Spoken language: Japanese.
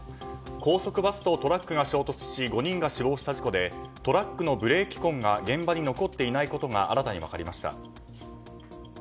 高速バスとトラックが衝突し５人が死亡した事故でトラックのブレーキ痕が現場に残っていないことが新たに分かりました。